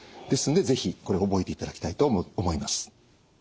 ですんで是非これ覚えていただきたいと思います。